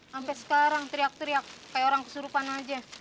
sampai sekarang teriak teriak kayak orang kesurupan aja